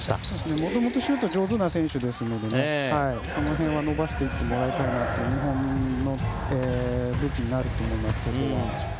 もともとシュートが上手な選手ですのでその辺は伸ばしていってもらいたいなというところだったと思います。